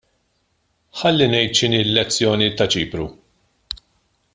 Ħalli ngħid x'inhi l-lezzjoni ta' Ċipru.